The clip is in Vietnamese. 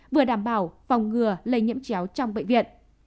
vừa đảm bảo phòng ngừa lây nhiễm chéo trong bệnh viện